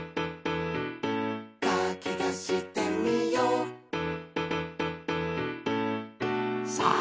「かきたしてみよう」さあ！